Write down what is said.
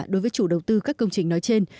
đối với chủ đầu tư các công trình nói trên